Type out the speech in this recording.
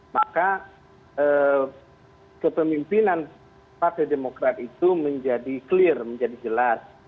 maka kepemimpinan partai demokrat itu menjadi clear menjadi jelas